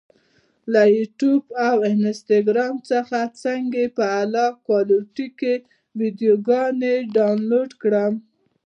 له یوټیوب او انسټاګرام څخه څنګه په اعلی کوالټي کې ویډیوګانې ډاونلوډ کړم؟